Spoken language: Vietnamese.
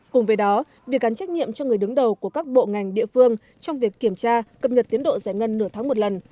cùng với đó việc gắn trách nhiệm cho người đứng đầu của các bộ ngành địa phương trong việc kiểm tra cập nhật tiến độ giải ngân nửa tháng một lần